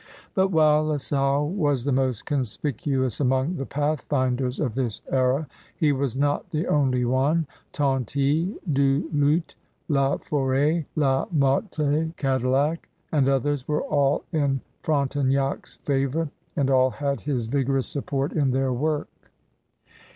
But while La Salle was the most conspicuous among the pathfinders of this era, he was not the only one. Tonty, Du Lhut, La Forfet, La Mothe Cadillac, and others were all in Frontenac's favor, and all had his vigorous support in their work.